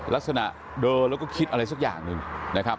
ลักษณะเดินแล้วก็คิดอะไรสักอย่างหนึ่งนะครับ